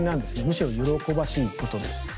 むしろ喜ばしいことです。